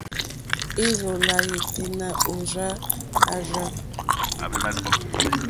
Ì rzô lá yêténá ò rzá àrzá.